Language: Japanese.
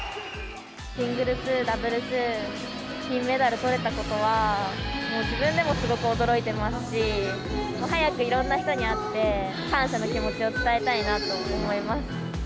シングルス、ダブルス、金メダルをとれたことは、自分でもすごく驚いてますし、早くいろんな人に会って、感謝の気持ちを伝えたいなと思います。